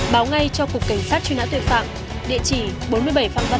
báo ngay cho cục cảnh sát truy nã